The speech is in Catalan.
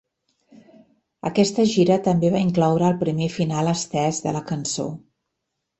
Aquesta gira també va incloure el primer final estès de la cançó.